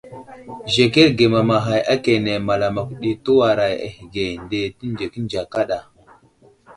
Zəkerge mamaghay akane Malawak ɗi tewaray ahəge nde tenzekənze kada.